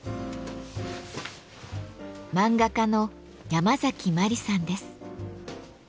漫画家のヤマザキマリさんです。